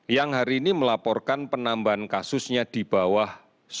yang hari ini melaporkan penambahan kasusnya di bawah satu